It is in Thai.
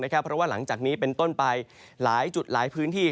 เพราะว่าหลังจากนี้เป็นต้นไปหลายจุดหลายพื้นที่